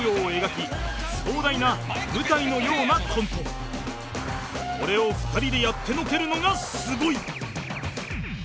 これを２人でやってのけるのがすごい！